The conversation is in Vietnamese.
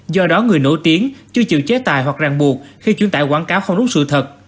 do đó người nổi tiếng chưa chịu chế tài hoặc ràng buộc khi chuyển tải quảng cáo không đúng sự thật